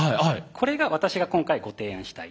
これが私が今回ご提案したい。